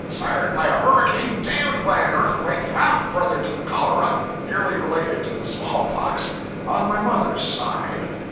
Sired by a hurricane, dam'd by an earthquake, half brother to the cholera, nearly related to the small pox on the mother's side!